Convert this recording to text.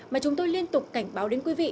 mà chúng tôi liên tục cảnh báo đến quý vị